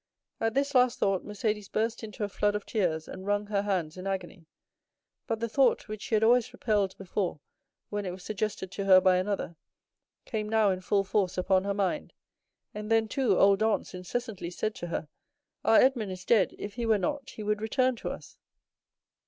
At this last thought Mercédès burst into a flood of tears, and wrung her hands in agony; but the thought, which she had always repelled before when it was suggested to her by another, came now in full force upon her mind; and then, too, old Dantès incessantly said to her, 'Our Edmond is dead; if he were not, he would return to us.